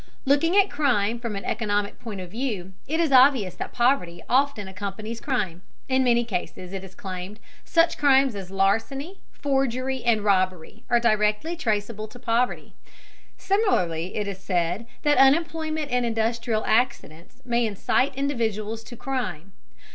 Looking at crime from an economic point of view, it is obvious that poverty often accompanies crime. In many cases, it is claimed, such crimes as larceny, forgery, and robbery are directly traceable to poverty. Similarly, it is said that unemployment and industrial accidents may incite individuals to crime.